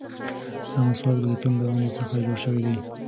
دا مسواک د زيتون له ونې څخه جوړ شوی دی.